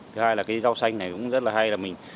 thứ hai là cái rau xanh này cũng rất là hay là mình